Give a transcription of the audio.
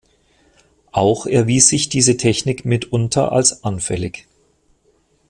Auch erwies sich diese Technik mitunter als anfällig.